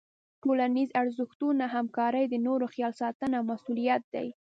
ټولنیز ارزښتونه همکاري، د نورو خیال ساتنه او مسؤلیت دي.